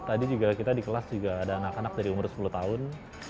tadi juga kita di kelas juga ada anak anak dari umur sepuluh tahun